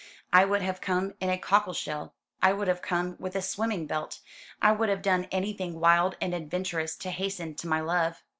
I would have come in a cockle shell I would have come with a swimming belt I would have done anything wild and adventurous to hasten to my love.